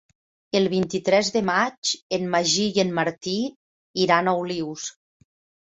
El vint-i-tres de maig en Magí i en Martí iran a Olius.